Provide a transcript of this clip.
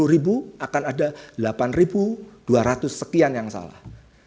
sepuluh ribu akan ada delapan dua ratus sekian yang salah